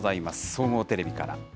総合テレビから。